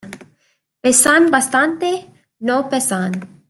pesan bastante. no pesan .